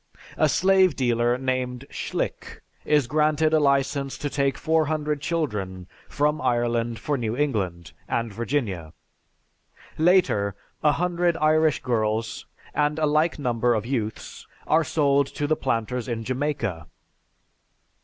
A slave dealer, named Schlick, is granted a license to take 400 children from Ireland for New England, and Virginia. Later, 100 Irish girls and a like number of youths are sold to the planters in Jamaica.